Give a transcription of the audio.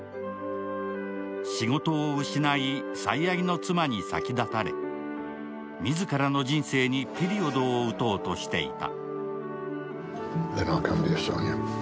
仕事を失い、最愛の妻に先立たれ、自らの人生にピリオドを打とうとしていた。